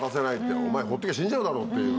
お前ほっときゃ死んじゃうだろっていう。